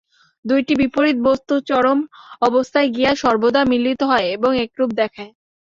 দুইটি বিপরীত বস্তু চরম অবস্থায় গিয়া সর্বদা মিলিত হয় এবং একরূপ দেখায়।